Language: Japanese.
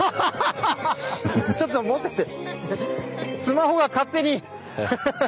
ちょっと持ってて。